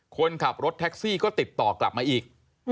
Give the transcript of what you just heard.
คนขับรถแท็กซี่ก็ติดต่อกลับมาอีก